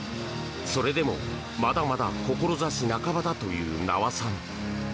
それでもまだまだ志半ばだという名和さん。